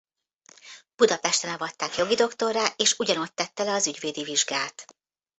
Budapesten avatták jogi doktorrá és ugyanott tette le az ügyvédi vizsgát.